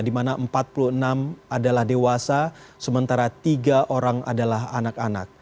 di mana empat puluh enam adalah dewasa sementara tiga orang adalah anak anak